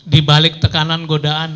dibalik tekanan godaan